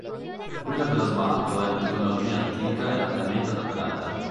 Quella dello smalto è una tecnologia antica e largamente adoperata.